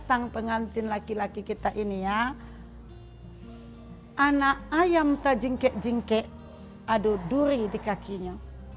anak ayam tak jingkek jingkek ada duri di kakinya